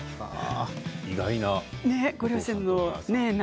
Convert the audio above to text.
意外な。